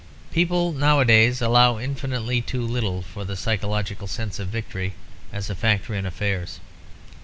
People nowadays allow infinitely too little for the psychological sense of victory as a factor in affairs.